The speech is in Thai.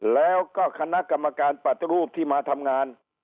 แล้วก็คณะกรรมการปฏิรูปที่มาทำงาน